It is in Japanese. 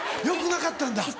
よくなかったんだ。